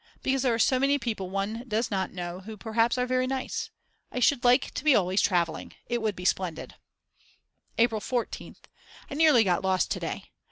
Because there are so many people one does not know who perhaps are very nice. I should like to be always travelling. It would be splendid. April 14th. I nearly got lost to day.